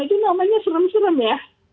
itu namanya serem serem ya